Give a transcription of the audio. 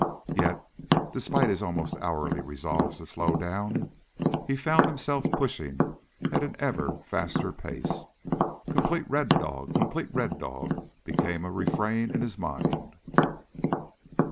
Yet despite his almost hourly resolves to slow down, he found himself pushing at an ever faster pace. Complete Red Dog ... complete Red Dog ... became a refrain in his mind.